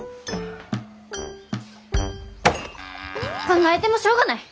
考えてもしょうがない。